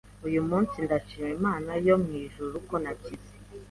Uyu munsi ndashima Imana yo mu ijuru ko nakize